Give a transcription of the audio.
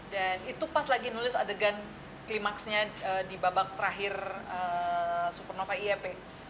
dan itu pas lagi nulis adegan klimaksnya di babak terakhir supernova iep